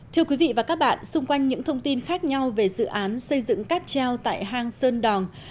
thưa quý vị và các bạn xung quanh những thông tin khác nhau về dự án xây dựng cáp treo tại hang sơn đòn